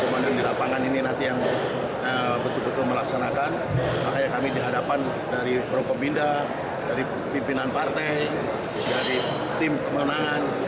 makanya kami dihadapan dari prokominda dari pimpinan partai dari tim kemenangan